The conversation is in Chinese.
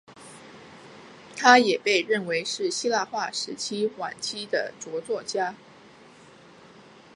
他也被认为是希腊化时代晚期的着作家。